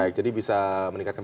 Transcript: baik jadi bisa meningkatkan